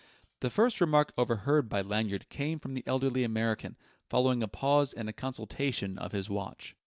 The first remark overheard by Lanyard came from the elderly American, following a pause and a consultation of his watch.